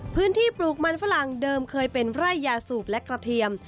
ปลูกมันฝรั่งเดิมเคยเป็นไร่ยาสูบและกระเทียม